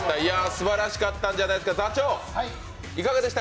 すばらしかったんじゃないですか、座長、いかがでした？